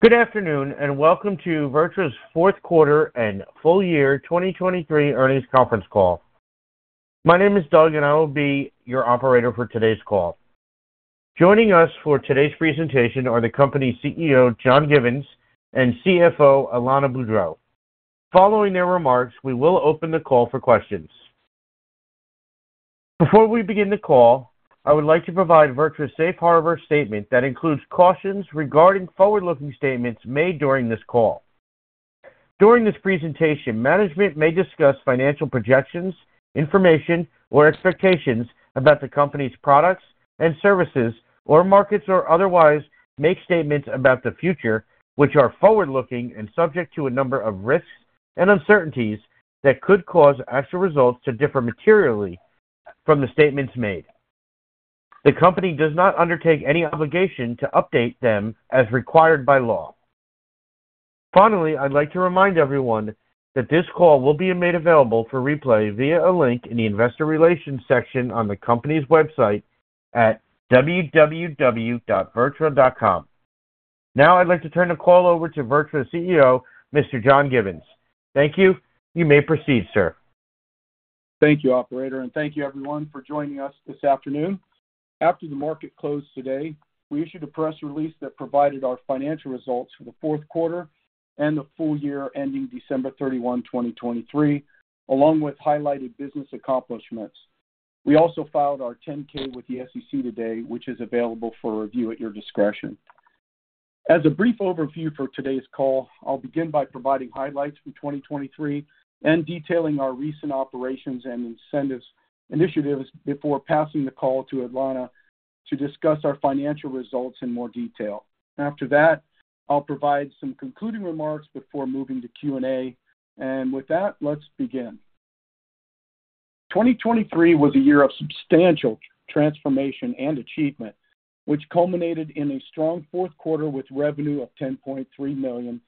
Good afternoon and welcome to VirTra's Fourth Quarter and Full Year 2023 Earnings Conference Call. My name is Doug and I will be your operator for today's call. Joining us for today's presentation are the company's CEO, John Givens, and CFO, Alanna Boudreau. Following their remarks, we will open the call for questions. Before we begin the call, I would like to provide VirTra's Safe Harbor statement that includes cautions regarding forward-looking statements made during this call. During this presentation, management may discuss financial projections, information, or expectations about the company's products and services, or markets or otherwise make statements about the future, which are forward-looking and subject to a number of risks and uncertainties that could cause actual results to differ materially from the statements made. The company does not undertake any obligation to update them as required by law. Finally, I'd like to remind everyone that this call will be made available for replay via a link in the investor relations section on the company's website at www.virtra.com. Now I'd like to turn the call over to VirTra's CEO, Mr. John Givens. Thank you. You may proceed, sir. Thank you, operator, and thank you everyone for joining us this afternoon. After the market closed today, we issued a press release that provided our financial results for the fourth quarter and the full year ending December 31, 2023, along with highlighted business accomplishments. We also filed our 10-K with the SEC today, which is available for review at your discretion. As a brief overview for today's call, I'll begin by providing highlights from 2023 and detailing our recent operations and incentives initiatives before passing the call to Alanna to discuss our financial results in more detail. After that, I'll provide some concluding remarks before moving to Q&A. And with that, let's begin. 2023 was a year of substantial transformation and achievement, which culminated in a strong fourth quarter with revenue of $10.3 million,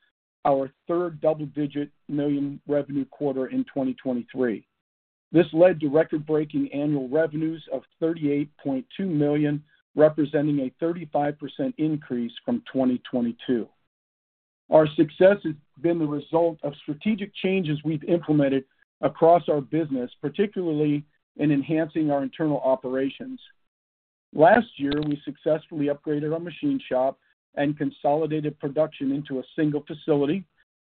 our third double-digit million revenue quarter in 2023. This led to record-breaking annual revenues of $38.2 million, representing a 35% increase from 2022. Our success has been the result of strategic changes we've implemented across our business, particularly in enhancing our internal operations. Last year, we successfully upgraded our machine shop and consolidated production into a single facility,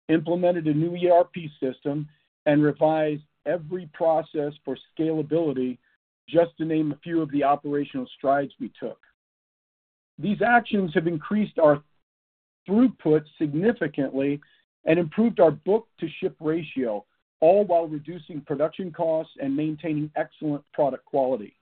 implemented a new ERP system, and revised every process for scalability, just to name a few of the operational strides we took. These actions have increased our throughput significantly and improved our book-to-ship ratio, all while reducing production costs and maintaining excellent product quality.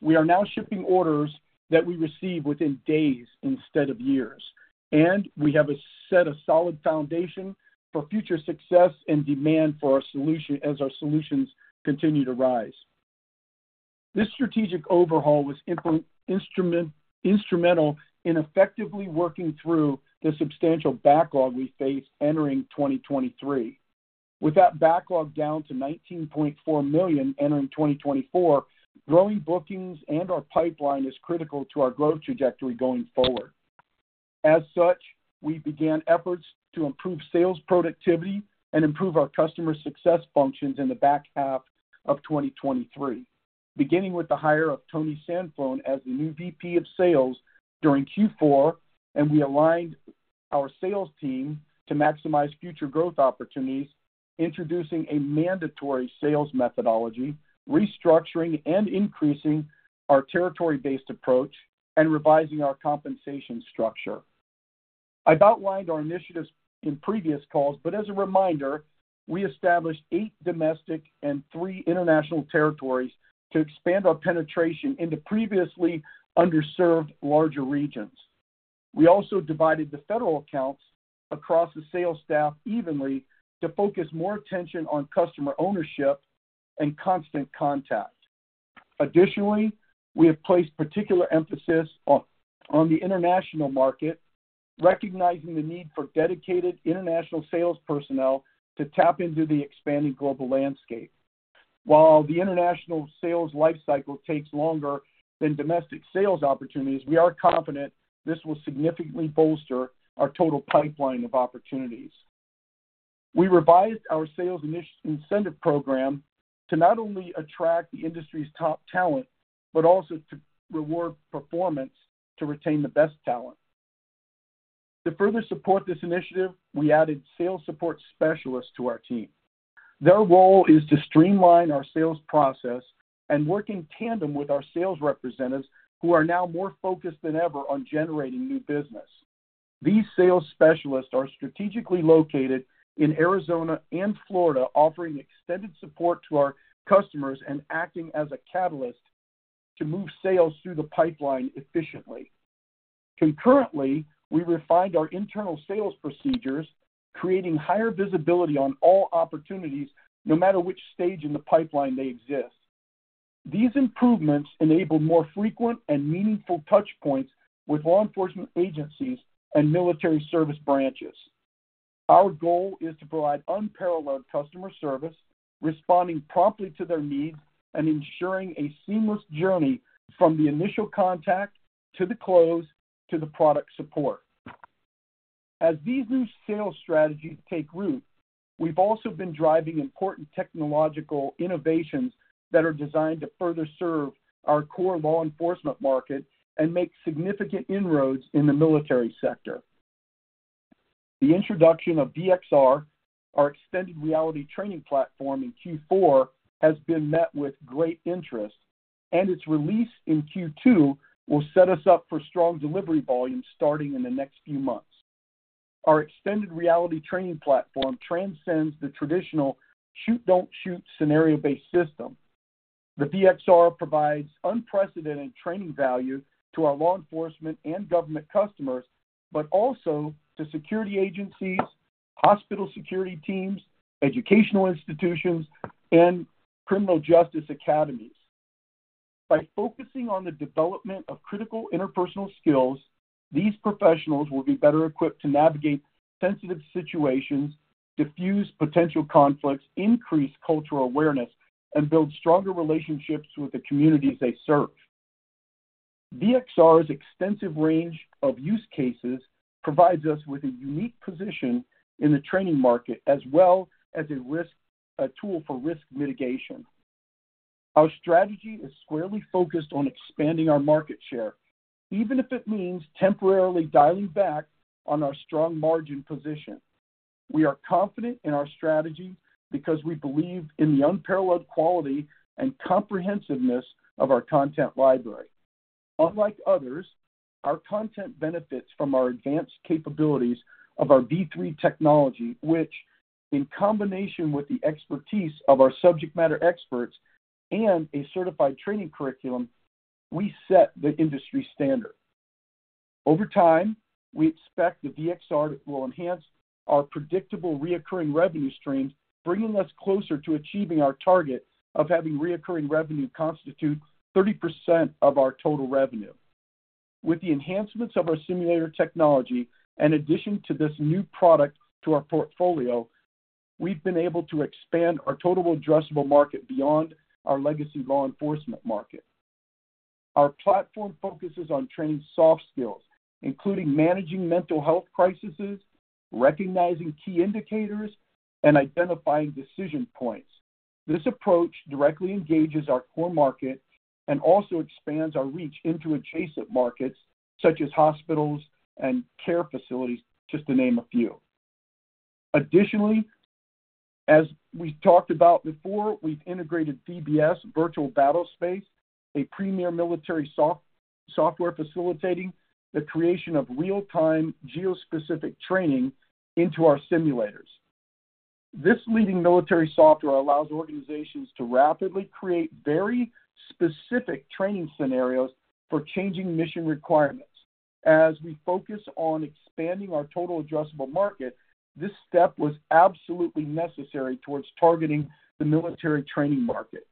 We are now shipping orders that we receive within days instead of years, and we have set a solid foundation for future success and demand for our solution as our solutions continue to rise. This strategic overhaul was instrumental in effectively working through the substantial backlog we faced entering 2023. With that backlog down to $19.4 million entering 2024, growing bookings and our pipeline is critical to our growth trajectory going forward. As such, we began efforts to improve sales productivity and improve our customer success functions in the back half of 2023, beginning with the hire of Tony Cianflone as the new VP of Sales during Q4, and we aligned our sales team to maximize future growth opportunities, introducing a mandatory sales methodology, restructuring and increasing our territory-based approach, and revising our compensation structure. I've outlined our initiatives in previous calls, but as a reminder, we established eight domestic and three international territories to expand our penetration into previously underserved larger regions. We also divided the federal accounts across the sales staff evenly to focus more attention on customer ownership and constant contact. Additionally, we have placed particular emphasis on the international market, recognizing the need for dedicated international sales personnel to tap into the expanding global landscape. While the international sales lifecycle takes longer than domestic sales opportunities, we are confident this will significantly bolster our total pipeline of opportunities. We revised our sales incentive program to not only attract the industry's top talent but also to reward performance to retain the best talent. To further support this initiative, we added sales support specialists to our team. Their role is to streamline our sales process and work in tandem with our sales representatives who are now more focused than ever on generating new business. These sales specialists are strategically located in Arizona and Florida, offering extended support to our customers and acting as a catalyst to move sales through the pipeline efficiently. Concurrently, we refined our internal sales procedures, creating higher visibility on all opportunities no matter which stage in the pipeline they exist. These improvements enabled more frequent and meaningful touchpoints with law enforcement agencies and military service branches. Our goal is to provide unparalleled customer service, responding promptly to their needs, and ensuring a seamless journey from the initial contact to the close to the product support. As these new sales strategies take root, we've also been driving important technological innovations that are designed to further serve our core law enforcement market and make significant inroads in the military sector. The introduction of V-XR, our extended reality training platform, in Q4 has been met with great interest, and its release in Q2 will set us up for strong delivery volumes starting in the next few months. Our extended reality training platform transcends the traditional shoot-don't-shoot scenario-based system. The V-XR provides unprecedented training value to our law enforcement and government customers but also to security agencies, hospital security teams, educational institutions, and criminal justice academies. By focusing on the development of critical interpersonal skills, these professionals will be better equipped to navigate sensitive situations, defuse potential conflicts, increase cultural awareness, and build stronger relationships with the communities they serve. V-XR's extensive range of use cases provides us with a unique position in the training market as well as a tool for risk mitigation. Our strategy is squarely focused on expanding our market share, even if it means temporarily dialing back on our strong margin position. We are confident in our strategy because we believe in the unparalleled quality and comprehensiveness of our content library. Unlike others, our content benefits from our advanced capabilities of our V-300 technology, which, in combination with the expertise of our subject matter experts and a certified training curriculum, we set the industry standard. Over time, we expect the V-XR will enhance our predictable recurring revenue streams, bringing us closer to achieving our target of having recurring revenue constitute 30% of our total revenue. With the enhancements of our simulator technology and addition to this new product to our portfolio, we've been able to expand our total addressable market beyond our legacy law enforcement market. Our platform focuses on training soft skills, including managing mental health crises, recognizing key indicators, and identifying decision points. This approach directly engages our core market and also expands our reach into adjacent markets such as hospitals and care facilities, just to name a few. Additionally, as we've talked about before, we've integrated VBS, Virtual Battlespace, a premier military software facilitating the creation of real-time geo-specific training into our simulators. This leading military software allows organizations to rapidly create very specific training scenarios for changing mission requirements. As we focus on expanding our total addressable market, this step was absolutely necessary towards targeting the military training market.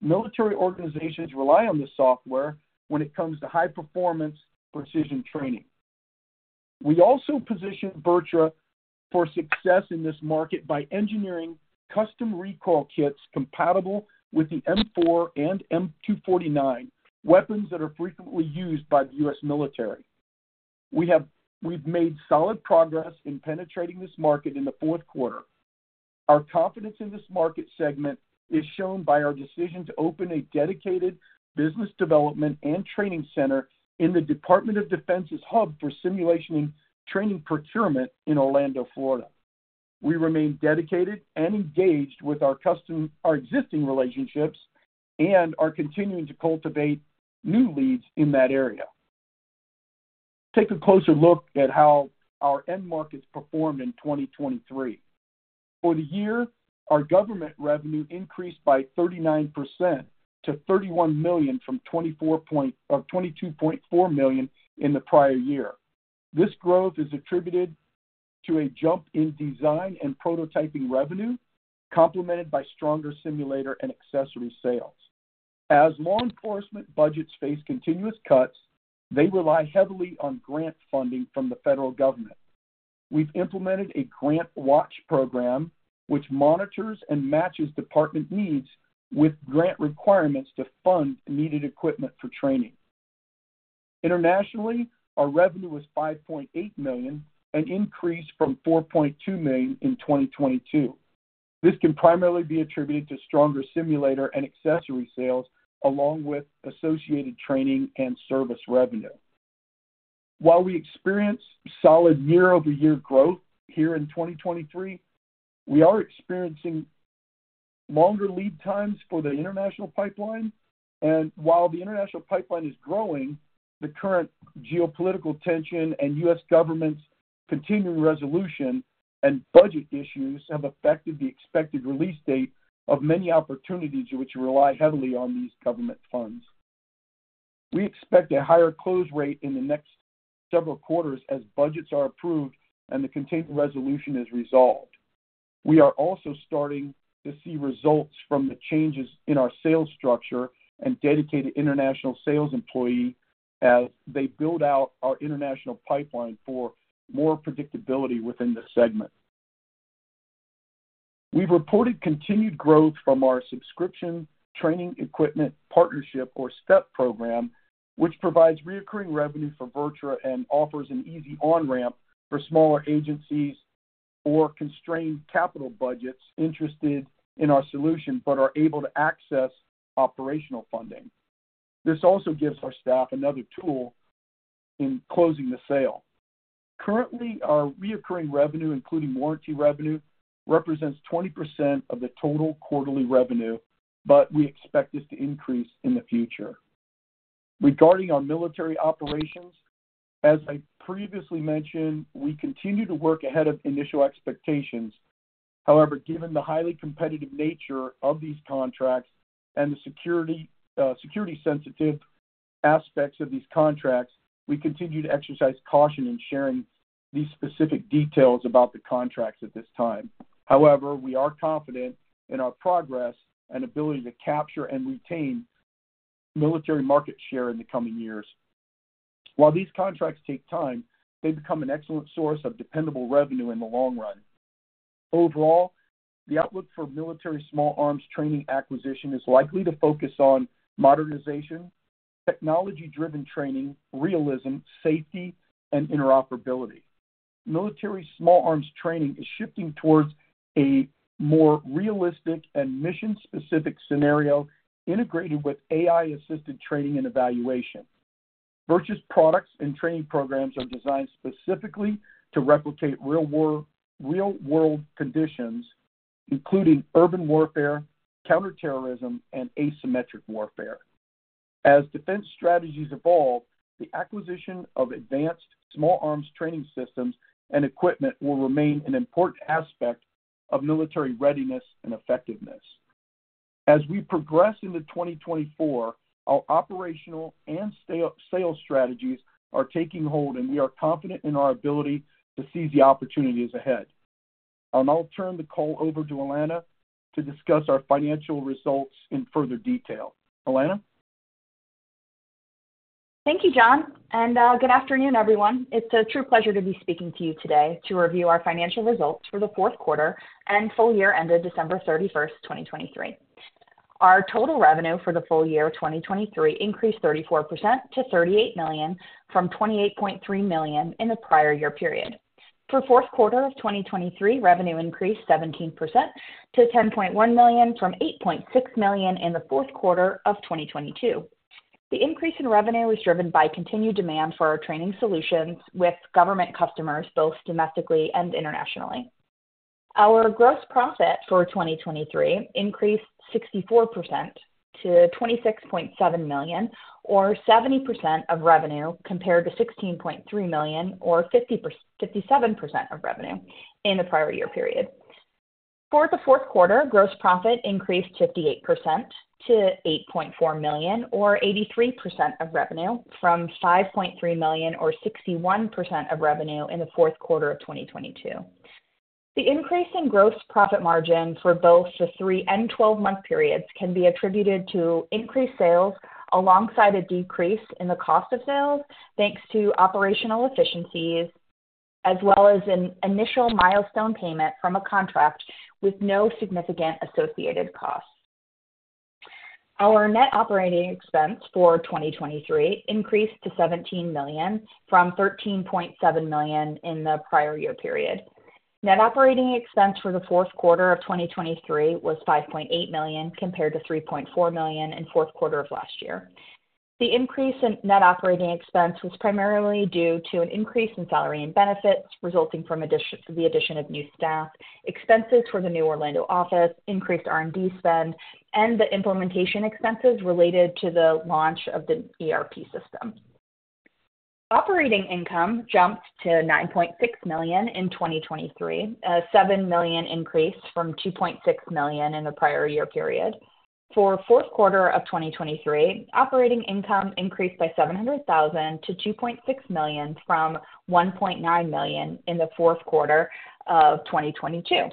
Military organizations rely on this software when it comes to high-performance precision training. We also positioned VirTra for success in this market by engineering custom recoil kits compatible with the M4 and M249 weapons that are frequently used by the U.S. military. We've made solid progress in penetrating this market in the fourth quarter. Our confidence in this market segment is shown by our decision to open a dedicated business development and training center in the Department of Defense's hub for simulation and training procurement in Orlando, Florida. We remain dedicated and engaged with our existing relationships and are continuing to cultivate new leads in that area. Take a closer look at how our end markets performed in 2023. For the year, our government revenue increased by 39% to $31 million from $22.4 million in the prior year. This growth is attributed to a jump in design and prototyping revenue, complemented by stronger simulator and accessory sales. As law enforcement budgets face continuous cuts, they rely heavily on grant funding from the federal government. We've implemented a grant watch program, which monitors and matches department needs with grant requirements to fund needed equipment for training. Internationally, our revenue was $5.8 million, an increase from $4.2 million in 2022. This can primarily be attributed to stronger simulator and accessory sales along with associated training and service revenue. While we experience solid year-over-year growth here in 2023, we are experiencing longer lead times for the international pipeline. While the international pipeline is growing, the current geopolitical tension and U.S. government's continuing resolution and budget issues have affected the expected release date of many opportunities which rely heavily on these government funds. We expect a higher close rate in the next several quarters as budgets are approved and the continuing resolution is resolved. We are also starting to see results from the changes in our sales structure and dedicated international sales employee as they build out our international pipeline for more predictability within this segment. We've reported continued growth from our Subscription Training Equipment Partnership or STEP program, which provides recurring revenue for VirTra and offers an easy on-ramp for smaller agencies or constrained capital budgets interested in our solution but are able to access operational funding. This also gives our staff another tool in closing the sale. Currently, our recurring revenue, including warranty revenue, represents 20% of the total quarterly revenue, but we expect this to increase in the future. Regarding our military operations, as I previously mentioned, we continue to work ahead of initial expectations. However, given the highly competitive nature of these contracts and the security-sensitive aspects of these contracts, we continue to exercise caution in sharing these specific details about the contracts at this time. However, we are confident in our progress and ability to capture and retain military market share in the coming years. While these contracts take time, they become an excellent source of dependable revenue in the long run. Overall, the outlook for military small arms training acquisition is likely to focus on modernization, technology-driven training, realism, safety, and interoperability. Military small arms training is shifting towards a more realistic and mission-specific scenario integrated with AI-assisted training and evaluation. VirTra's products and training programs are designed specifically to replicate real-world conditions, including urban warfare, counterterrorism, and asymmetric warfare. As defense strategies evolve, the acquisition of advanced small arms training systems and equipment will remain an important aspect of military readiness and effectiveness. As we progress into 2024, our operational and sales strategies are taking hold, and we are confident in our ability to seize the opportunities ahead. And I'll turn the call over to Alanna to discuss our financial results in further detail. Alanna? Thank you, John. And good afternoon, everyone. It's a true pleasure to be speaking to you today to review our financial results for the fourth quarter and full year ended December 31st, 2023. Our total revenue for the full year 2023 increased 34% to $38 million from $28.3 million in the prior year period. For fourth quarter of 2023, revenue increased 17% to $10.1 million from $8.6 million in the fourth quarter of 2022. The increase in revenue is driven by continued demand for our training solutions with government customers, both domestically and internationally. Our gross profit for 2023 increased 64% to $26.7 million, or 70% of revenue compared to $16.3 million, or 57% of revenue in the prior year period. For the fourth quarter, gross profit increased 58% to $8.4 million, or 83% of revenue from $5.3 million, or 61% of revenue in the fourth quarter of 2022. The increase in gross profit margin for both the three- and 12-month periods can be attributed to increased sales alongside a decrease in the cost of sales thanks to operational efficiencies, as well as an initial milestone payment from a contract with no significant associated costs. Our net operating expense for 2023 increased to $17 million from $13.7 million in the prior year period. Net operating expense for the fourth quarter of 2023 was $5.8 million compared to $3.4 million in the fourth quarter of last year. The increase in net operating expense was primarily due to an increase in salary and benefits resulting from the addition of new staff, expenses for the new Orlando office, increased R&D spend, and the implementation expenses related to the launch of the ERP system. Operating income jumped to $9.6 million in 2023, a $7 million increase from $2.6 million in the prior year period. For fourth quarter of 2023, operating income increased by $700,000 to $2.6 million from $1.9 million in the fourth quarter of 2022.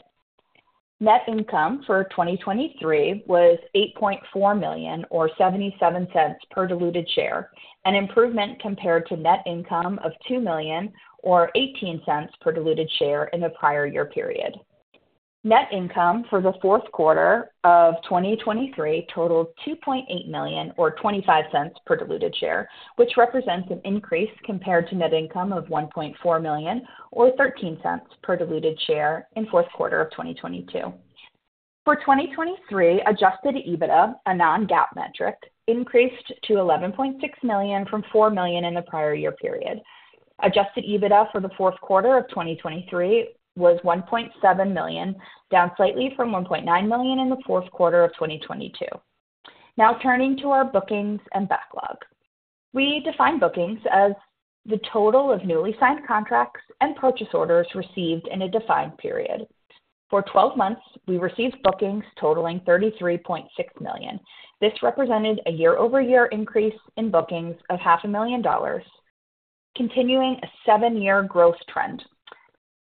Net income for 2023 was $8.4 million, or $0.77 per diluted share, an improvement compared to net income of $2 million, or $0.18 per diluted share in the prior year period. Net income for the fourth quarter of 2023 totaled $2.8 million, or $0.25 per diluted share, which represents an increase compared to net income of $1.4 million, or $0.13 per diluted share in the fourth quarter of 2022. For 2023, adjusted EBITDA, a non-GAAP metric, increased to $11.6 million from $4 million in the prior year period. Adjusted EBITDA for the fourth quarter of 2023 was $1.7 million, down slightly from $1.9 million in the fourth quarter of 2022. Now turning to our bookings and backlog. We define bookings as the total of newly signed contracts and purchase orders received in a defined period. For 12 months, we received bookings totaling $33.6 million. This represented a year-over-year increase in bookings of $500,000, continuing a seven-year growth trend.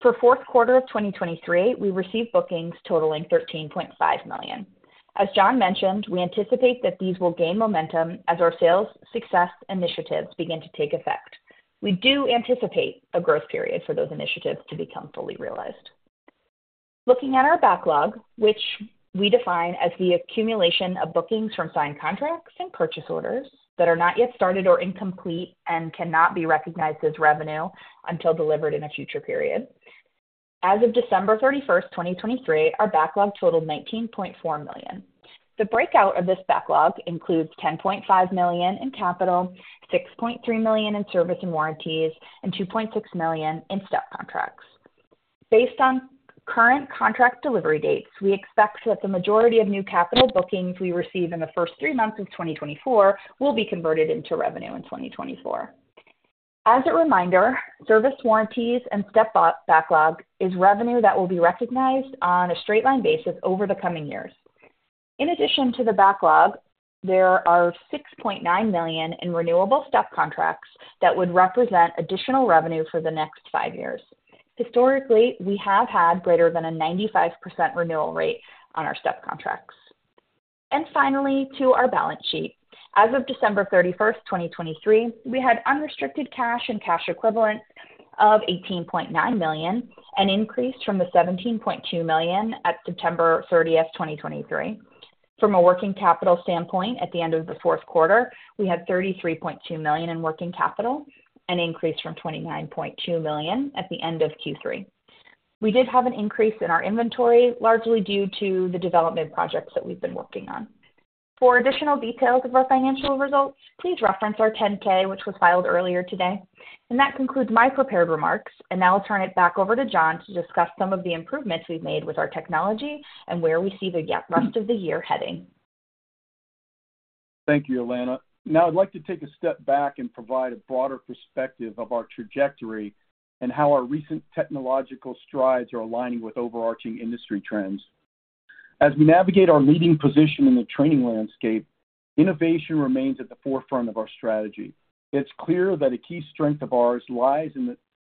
For fourth quarter of 2023, we received bookings totaling $13.5 million. As John mentioned, we anticipate that these will gain momentum as our sales success initiatives begin to take effect. We do anticipate a growth period for those initiatives to become fully realized. Looking at our backlog, which we define as the accumulation of bookings from signed contracts and purchase orders that are not yet started or incomplete and cannot be recognized as revenue until delivered in a future period. As of December 31st, 2023, our backlog totaled $19.4 million. The breakout of this backlog includes $10.5 million in capital, $6.3 million in service and warranties, and $2.6 million in STEP contracts. Based on current contract delivery dates, we expect that the majority of new capital bookings we receive in the first three months of 2024 will be converted into revenue in 2024. As a reminder, service warranties and STEP backlog is revenue that will be recognized on a straight-line basis over the coming years. In addition to the backlog, there are $6.9 million in renewable STEP contracts that would represent additional revenue for the next five years. Historically, we have had greater than a 95% renewal rate on our STEP contracts. Finally, to our balance sheet, as of December 31st, 2023, we had unrestricted cash and cash equivalents of $18.9 million, an increase from the $17.2 million at September 30th, 2023. From a working capital standpoint, at the end of the fourth quarter, we had $33.2 million in working capital, an increase from $29.2 million at the end of Q3. We did have an increase in our inventory, largely due to the development projects that we've been working on. For additional details of our financial results, please reference our 10-K, which was filed earlier today. That concludes my prepared remarks. Now I'll turn it back over to John to discuss some of the improvements we've made with our technology and where we see the rest of the year heading. Thank you, Alanna. Now, I'd like to take a step back and provide a broader perspective of our trajectory and how our recent technological strides are aligning with overarching industry trends. As we navigate our leading position in the training landscape, innovation remains at the forefront of our strategy. It's clear that a key strength of ours lies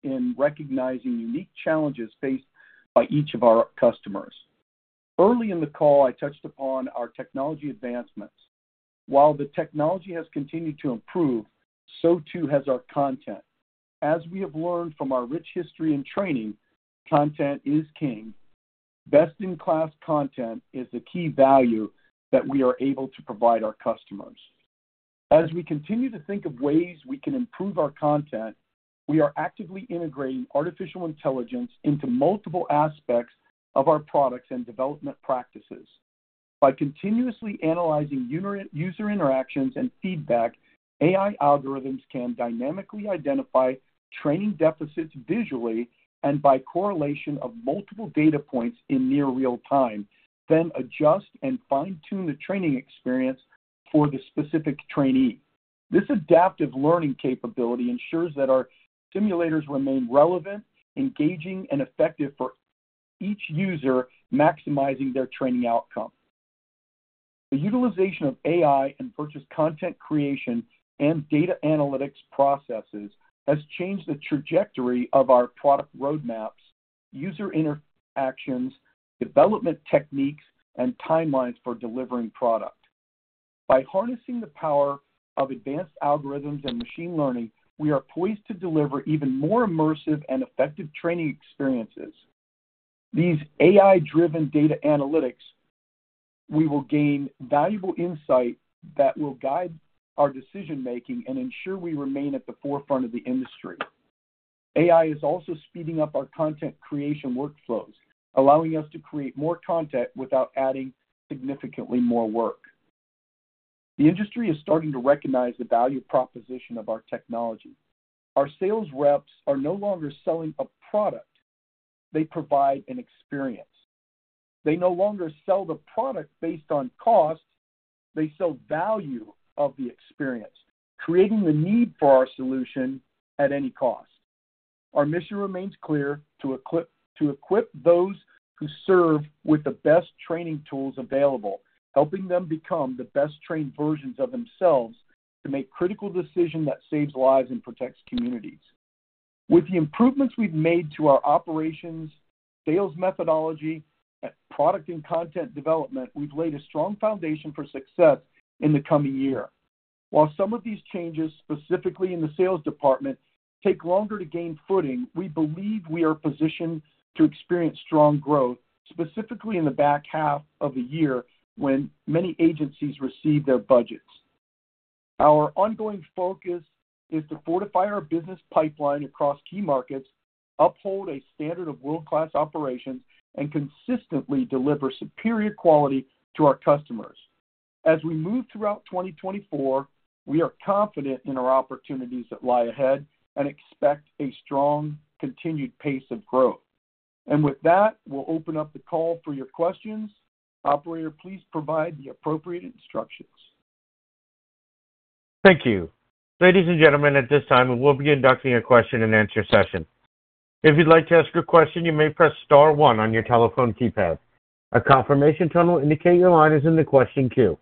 in recognizing unique challenges faced by each of our customers. Early in the call, I touched upon our technology advancements. While the technology has continued to improve, so too has our content. As we have learned from our rich history in training, content is king. Best-in-class content is the key value that we are able to provide our customers. As we continue to think of ways we can improve our content, we are actively integrating artificial intelligence into multiple aspects of our products and development practices. By continuously analyzing user interactions and feedback, AI algorithms can dynamically identify training deficits visually and by correlation of multiple data points in near-real time, then adjust and fine-tune the training experience for the specific trainee. This adaptive learning capability ensures that our simulators remain relevant, engaging, and effective for each user, maximizing their training outcome. The utilization of AI in purchase content creation and data analytics processes has changed the trajectory of our product roadmaps, user interactions, development techniques, and timelines for delivering product. By harnessing the power of advanced algorithms and machine learning, we are poised to deliver even more immersive and effective training experiences. These AI-driven data analytics, we will gain valuable insight that will guide our decision-making and ensure we remain at the forefront of the industry. AI is also speeding up our content creation workflows, allowing us to create more content without adding significantly more work. The industry is starting to recognize the value proposition of our technology. Our sales reps are no longer selling a product. They provide an experience. They no longer sell the product based on cost. They sell value of the experience, creating the need for our solution at any cost. Our mission remains clear: to equip those who serve with the best training tools available, helping them become the best-trained versions of themselves to make critical decisions that save lives and protect communities. With the improvements we've made to our operations, sales methodology, and product and content development, we've laid a strong foundation for success in the coming year. While some of these changes, specifically in the sales department, take longer to gain footing, we believe we are positioned to experience strong growth, specifically in the back half of the year when many agencies receive their budgets. Our ongoing focus is to fortify our business pipeline across key markets, uphold a standard of world-class operations, and consistently deliver superior quality to our customers. As we move throughout 2024, we are confident in our opportunities that lie ahead and expect a strong, continued pace of growth. With that, we'll open up the call for your questions. Operator, please provide the appropriate instructions. Thank you. Ladies and gentlemen, at this time, we will be conducting a question-and-answer session. If you'd like to ask your question, you may press star one on your telephone keypad. A confirmation tone indicating your line is in the question queue.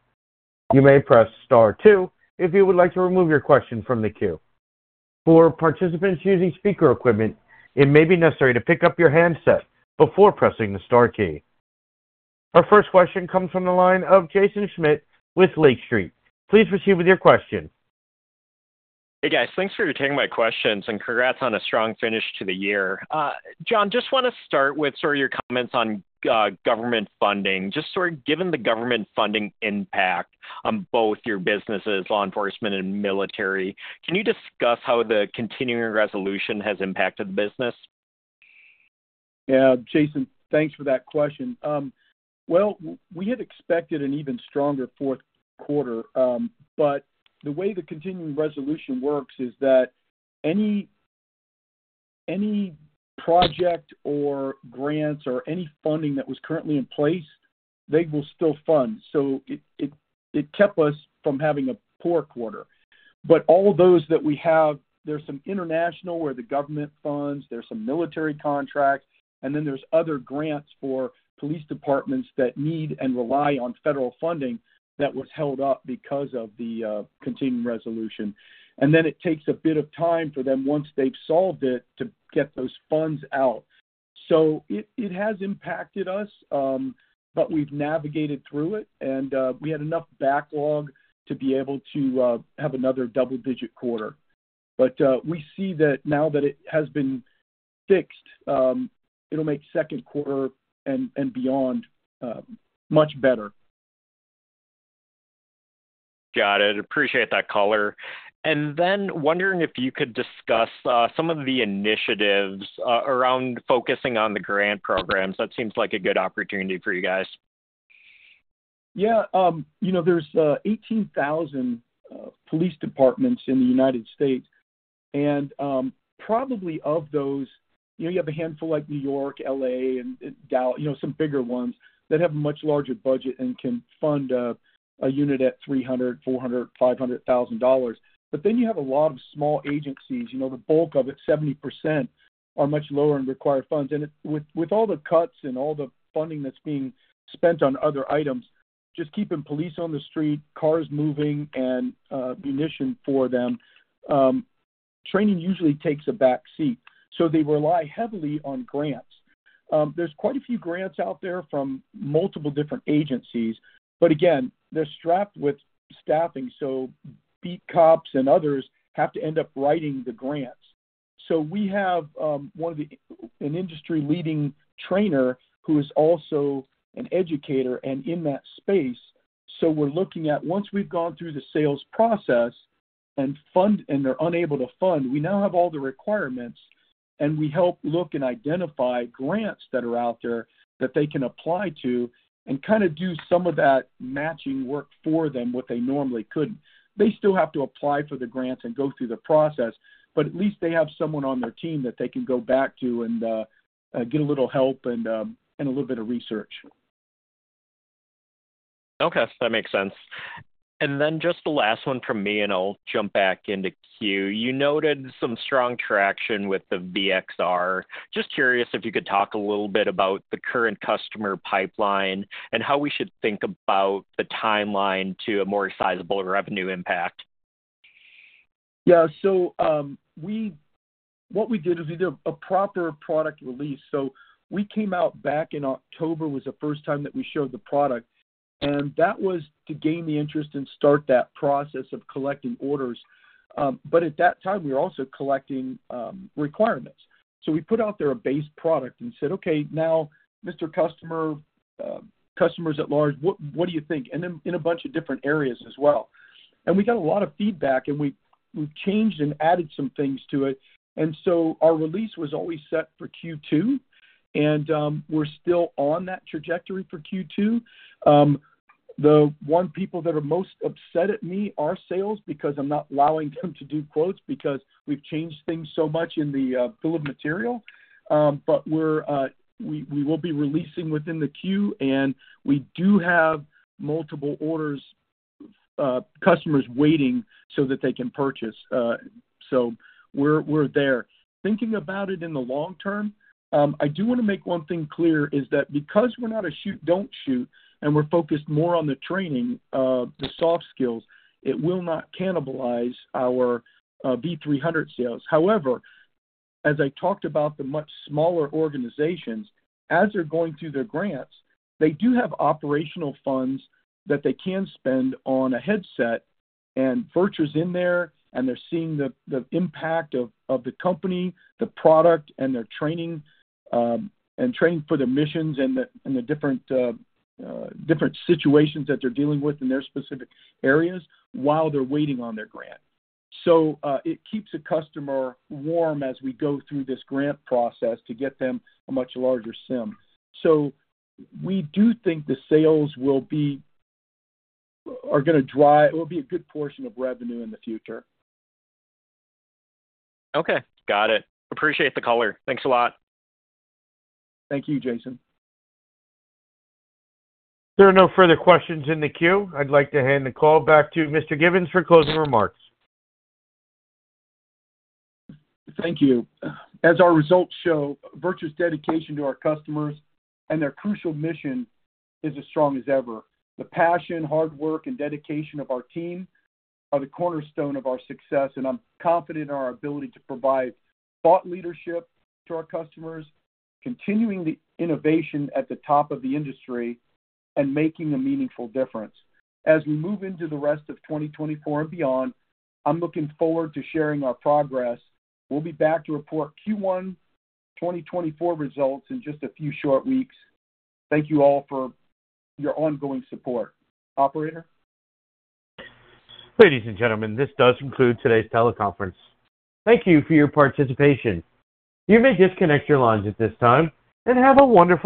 You may press star two if you would like to remove your question from the queue. For participants using speaker equipment, it may be necessary to pick up your handset before pressing the star key. Our first question comes from the line of Jaeson Schmidt with Lake Street. Please proceed with your question. Hey, guys. Thanks for taking my questions, and congrats on a strong finish to the year. John, just want to start with sort of your comments on government funding. Just sort of given the government funding impact on both your businesses, law enforcement and military, can you discuss how the Continuing Resolution has impacted the business? Yeah, Jaeson, thanks for that question. Well, we had expected an even stronger fourth quarter, but the way the Continuing Resolution works is that any project or grants or any funding that was currently in place, they will still fund. So it kept us from having a poor quarter. But all those that we have, there's some international where the government funds, there's some military contracts, and then there's other grants for police departments that need and rely on federal funding that was held up because of the Continuing Resolution. And then it takes a bit of time for them, once they've solved it, to get those funds out. So it has impacted us, but we've navigated through it, and we had enough backlog to be able to have another double-digit quarter. But we see that now that it has been fixed, it'll make second quarter and beyond much better. Got it. Appreciate that color. Then wondering if you could discuss some of the initiatives around focusing on the grant programs. That seems like a good opportunity for you guys. Yeah. There's 18,000 police departments in the United States. Probably of those, you have a handful like New York, L.A., and Dallas, some bigger ones that have a much larger budget and can fund a unit at $300,000-$500,000. Then you have a lot of small agencies. The bulk of it, 70%, are much lower and require funds. With all the cuts and all the funding that's being spent on other items, just keeping police on the street, cars moving, and ammunition for them, training usually takes a backseat. They rely heavily on grants. There's quite a few grants out there from multiple different agencies. Again, they're strapped with staffing, so beat cops and others have to end up writing the grants. We have an industry-leading trainer who is also an educator and in that space. So we're looking at, once we've gone through the sales process and they're unable to fund, we now have all the requirements, and we help look and identify grants that are out there that they can apply to and kind of do some of that matching work for them what they normally couldn't. They still have to apply for the grants and go through the process, but at least they have someone on their team that they can go back to and get a little help and a little bit of research. Okay. That makes sense. And then just the last one from me, and I'll jump back into queue. You noted some strong traction with the V-XR. Just curious if you could talk a little bit about the current customer pipeline and how we should think about the timeline to a more sizable revenue impact. Yeah. So what we did is we did a proper product release. So we came out back in October was the first time that we showed the product, and that was to gain the interest and start that process of collecting orders. But at that time, we were also collecting requirements. So we put out there a base product and said, "Okay, now, Mr. Customer, customers at large, what do you think?" and then in a bunch of different areas as well. And we got a lot of feedback, and we've changed and added some things to it. And so our release was always set for Q2, and we're still on that trajectory for Q2. The one people that are most upset at me are sales because I'm not allowing them to do quotes because we've changed things so much in the bill of material. But we will be releasing within the queue, and we do have multiple customers waiting so that they can purchase. So we're there. Thinking about it in the long term, I do want to make one thing clear is that because we're not a shoot-don't-shoot and we're focused more on the training, the soft skills, it will not cannibalize our V-300 sales. However, as I talked about the much smaller organizations, as they're going through their grants, they do have operational funds that they can spend on a headset and vouchers in there, and they're seeing the impact of the company, the product, and their training for their missions and the different situations that they're dealing with in their specific areas while they're waiting on their grant. So it keeps a customer warm as we go through this grant process to get them a much larger sim. We do think the sales are going to drive it. It will be a good portion of revenue in the future. Okay. Got it. Appreciate the color. Thanks a lot. Thank you, Jaeson. There are no further questions in the queue. I'd like to hand the call back to Mr. Givens for closing remarks. Thank you. As our results show, VirTra's dedication to our customers and their crucial mission is as strong as ever. The passion, hard work, and dedication of our team are the cornerstone of our success, and I'm confident in our ability to provide thought leadership to our customers, continuing the innovation at the top of the industry, and making a meaningful difference. As we move into the rest of 2024 and beyond, I'm looking forward to sharing our progress. We'll be back to report Q1 2024 results in just a few short weeks. Thank you all for your ongoing support. Operator? Ladies and gentlemen, this does conclude today's teleconference. Thank you for your participation. You may disconnect your lines at this time and have a wonderful.